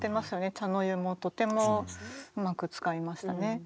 茶の湯もとてもうまく使いましたね。